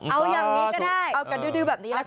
เอายังนี้ก็ได้เอากระดื้อแบบนี้ละค่ะ